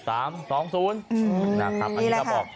อันนี้แหละค่ะ